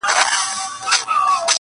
د ريښې په توګه ښيي دلته ښکاره.